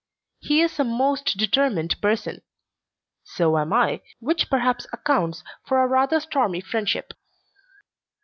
He is a most determined person. So am I which perhaps accounts for our rather stormy friendship.